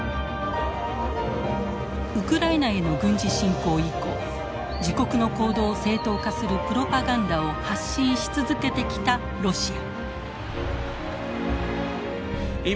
ウクライナへの軍事侵攻以降自国の行動を正当化するプロパガンダを発信し続けてきたロシア。